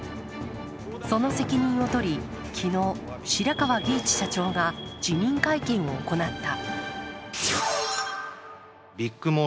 その責任を取り、昨日、白川儀一社長が辞任会見を行った。